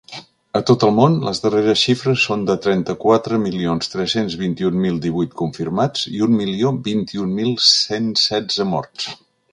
A tot el món, les darreres xifres són de trenta-quatre milions tres-cents vint-i-un mil divuit confirmats i un milió vint-i-un mil cent setze morts.